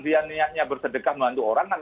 dia niatnya bersedekah membantu orang kan